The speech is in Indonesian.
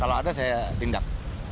kalau ada saya tindak